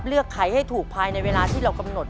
ไขให้ถูกภายในเวลาที่เรากำหนด